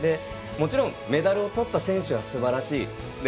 もちろん、メダルをとった選手はすばらしい。